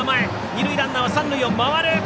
二塁ランナーは三塁へ。